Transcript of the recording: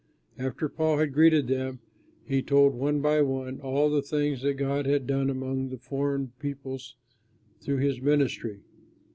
After Paul had greeted them, he told, one by one, all the things that God had done among the foreign peoples through his ministry.